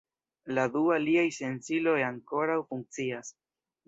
La du aliaj sensiloj ankoraŭ funkcias.